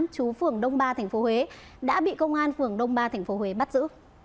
chú phường đông ba tp huế đã bị công an phường đông ba tp huế bắt giữ